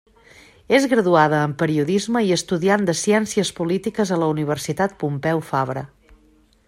És graduada en Periodisme i estudiant de Ciències Polítiques a la Universitat Pompeu Fabra.